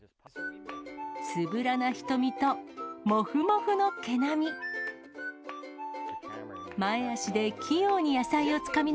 つぶらな瞳と、もふもふの毛並み。